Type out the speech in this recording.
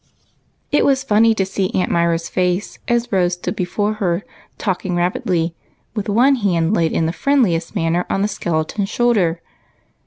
It was fiinny to see Aunt Myra's face as Rose stood before her talking rapidly with one hand laid in the friendliest manner on the skeleton's shoulder.